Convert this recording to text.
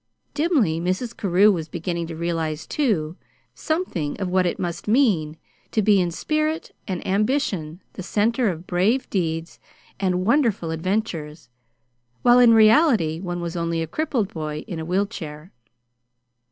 Dimly Mrs. Carew was beginning to realize, too, something of what it must mean, to be in spirit and ambition the center of brave deeds and wonderful adventures, while in reality one was only a crippled boy in a wheel chair.